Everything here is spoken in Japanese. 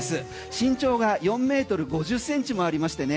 身長が４ｍ５０ｃｍもありましてね。